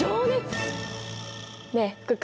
ねえ福君。